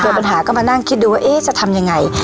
เกิดปัญหาก็มานั่งคิดดูว่าเอ๊ะจะทำยังไงครับ